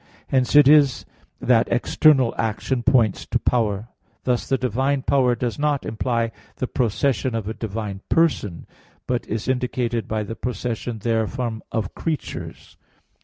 Hence it is that external action points to power. Thus the divine power does not imply the procession of a divine person; but is indicated by the procession therefrom of creatures.